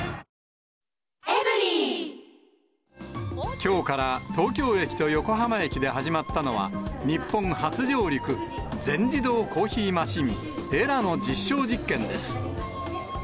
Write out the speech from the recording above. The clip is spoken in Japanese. きょうから東京駅と横浜駅で始まったのは、日本初上陸、全自動コーヒーマシン、エラの実証実験です。